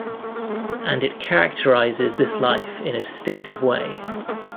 And it characterizes this life in a distinctive way.